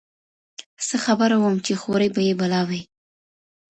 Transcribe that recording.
څه خبره وم چي خوري به یې بلاوي